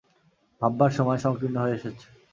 ভাববার সময় সংকীর্ণ হয়ে এসেছে।